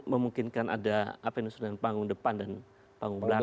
memungkinkan ada apa yang disebut dengan panggung depan dan panggung belakang